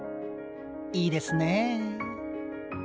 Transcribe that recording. いいですね。